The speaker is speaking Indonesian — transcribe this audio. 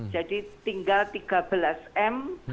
jadi tinggal tiga belas m